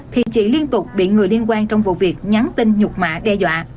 thì chị liên tục bị người liên quan trong vụ việc nhắn tin nhục mã đe dọa